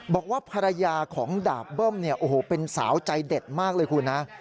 บอกว่าภรรยาของดาบเบิ้มเป็นสาวใจเด็ดมากเลยคุณนะ